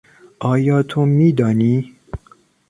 آیا تو میدانی؟